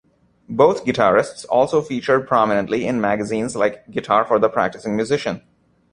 Both guitarists also featured prominently in magazines like Guitar for the Practicing Musician.